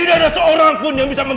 tak ada siapa yang bisa ikut